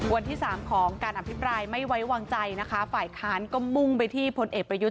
วันที่สามของการอภิปรายไม่ไว้วางใจนะคะฝ่ายค้านก็มุ่งไปที่พลเอกประยุทธ์